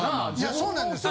そうなんですよ。